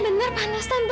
benar panas tante